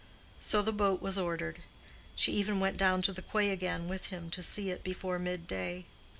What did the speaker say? So the boat was ordered. She even went down to the quay again with him to see it before midday.